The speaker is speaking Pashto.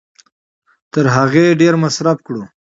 تر هغې ډېر مصرف کړو